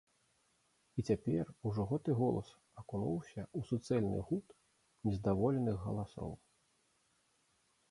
І цяпер ужо гэты голас акунуўся ў суцэльны гуд нездаволеных галасоў.